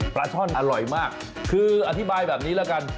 ช่อนอร่อยมากคืออธิบายแบบนี้ละกัน